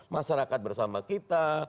masyarakat bersama kita